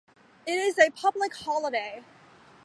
It is a public holiday.